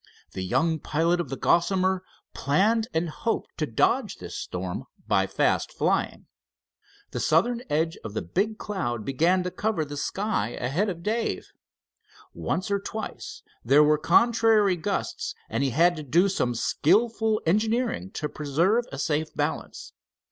The young pilot of the Gossamer planned and hoped to dodge this storm by fast flying. The southern edge of the big cloud began to cover the sky ahead of Dave. Once or twice there were contrary gusts, and he had to do some skillful engineering to preserve a safe balance.